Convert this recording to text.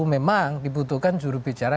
memang dibutuhkan juru bicara